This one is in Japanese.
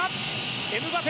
エムバペ！